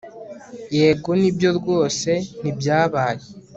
Yego nibyo rwose ntibyabaye